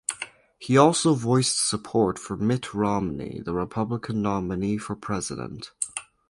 He also voiced support for Mitt Romney, the Republican nominee for president.